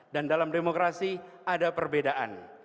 dan dalam demokrasi ada perbedaan